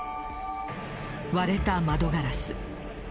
割れた窓ガラス。